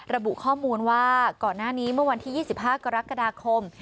ระบุข้อมูลว่าก่อนหน้านี้เมื่อวันที่๒๕กรกฎาคม